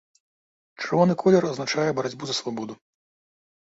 Чырвоны колер азначае барацьбу за свабоду.